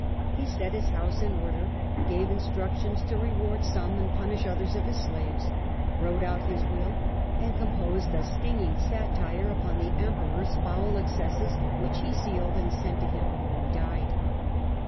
He set his house in order, gave instructions to reward some and punish others of his slaves, wrote out his will, and composed a stinging satire upon the Em peror's foul excesses which he sealed and sent to him before he died.